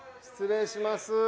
失礼します。